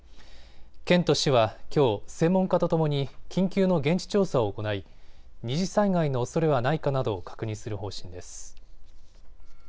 県と市はきょう、専門家とともに緊急の現地調査を行い二次災害のおそれはないかなどを確認する方針です。